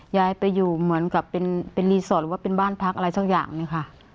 ยายไปอยู่เหมือนกับเป็นรีสอร์ทหรือว่าเป็นบ้านพักอะไรสักอย่างหนึ่งค่ะ